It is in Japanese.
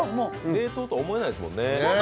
冷凍とは思えないですもんね。